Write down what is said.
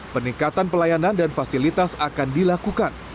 peningkatan pelayanan dan fasilitas akan dilakukan